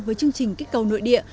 với chương trình kích cầu nội địa